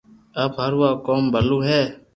آپ ھارو آ ڪوم ڀلو ھي